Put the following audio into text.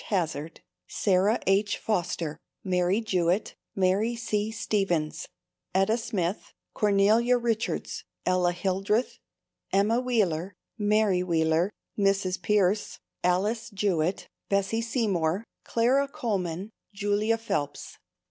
Hazard, Sarah H. Foster, Mary Jewett, Mary C. Stevens, Etta Smith, Cornelia Richards, Ella Hildreth, Emma Wheeler, Mary Wheeler, Mrs. Pierce, Alice Jewett, Bessie Seymour, Clara Coleman, Julia Phelps.